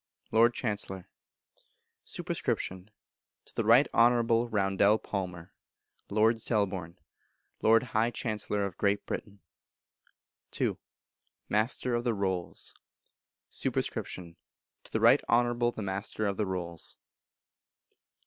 Lord Chancellor. Sup. To the Right Honourable Roundell Palmer, Lord Selborne, Lord High Chancellor of Great Britain. ii. Master of the Rolls. Sup. To the Right Honourable the Master of the Rolls.